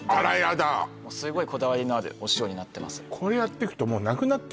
すごいこだわりのあるお塩になってます